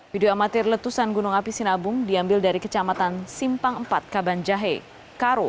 video amatir letusan gunung api sinabung diambil dari kecamatan simpang iv kaban jahe karo